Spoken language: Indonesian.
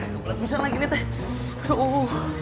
komplet pisan lagi nih teh